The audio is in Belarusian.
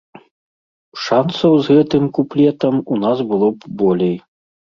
Шанцаў з гэтым куплетам у нас было б болей.